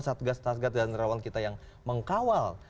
satgas satgas dan relawan kita yang mengkawal